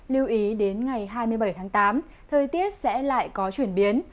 lưu ý đến ngày hai mươi bảy tháng tám thời tiết sẽ lại có chuyển biến